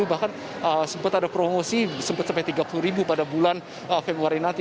bahkan sempat ada promosi sempat sampai tiga puluh ribu pada bulan februari nanti